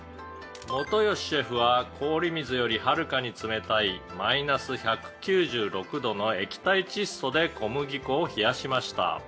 「元吉シェフは氷水よりはるかに冷たいマイナス１９６度の液体窒素で小麦粉を冷やしました」